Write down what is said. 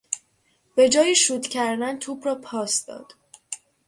به جای شوت کردن توپ را پاس داد.